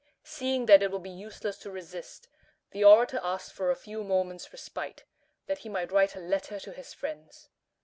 Seeing that it would be useless to resist, the orator asked for a few moments' respite, that he might write a letter to his friends.